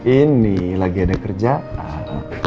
ini lagi ada kerjaan